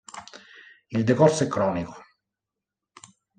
Il decorso è cronico.